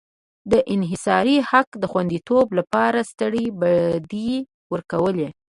د انحصاري حق د خوندیتوب لپاره سترې بډې ورکولې.